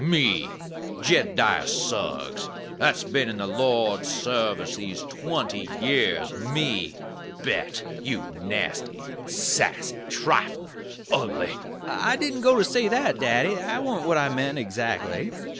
"Me, Jed diah Suggs, that's been in the Lord's sarvice these twenty years, me bet, you nasty, sassy, triflin', ugly " "I didn't go to say that, daddy; that warn't what I meant adzactly.